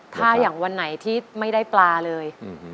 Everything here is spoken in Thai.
ถ้าอย่างวันไหนที่ไม่ได้ปลาเลย